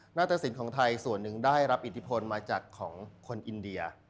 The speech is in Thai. ตสินของไทยส่วนหนึ่งได้รับอิทธิพลมาจากของคนอินเดีย